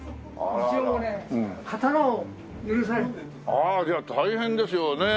ああじゃあ大変ですよね